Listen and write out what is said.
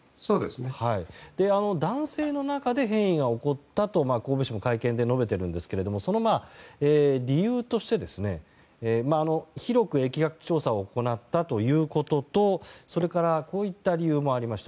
男性の中で変異が起こったと神戸市も会見で述べているんですけれどもその理由として、広く疫学調査を行ったということとそれからこういった理由もありました。